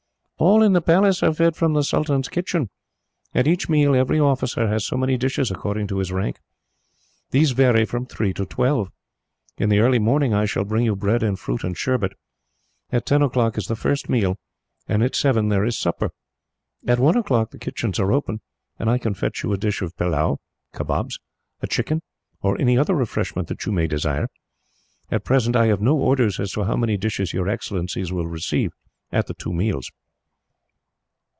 "All in the Palace are fed from the sultan's kitchen. At each meal, every officer has so many dishes, according to his rank. These vary from three to twelve. In the early morning, I shall bring you bread and fruit and sherbet; at ten o'clock is the first meal; and at seven there is supper. At one o'clock the kitchens are open, and I can fetch you a dish of pillau, kabobs, a chicken, or any other refreshment that you may desire. At present, I have no orders as to how many dishes your Excellencies will receive, at the two meals."